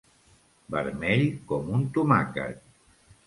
Vermell com un tomàquet.